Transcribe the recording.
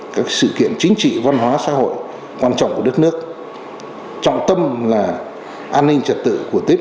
các sự kiện chính trị văn hóa xã hội quan trọng của đất nước trọng tâm là an ninh trật tự của tết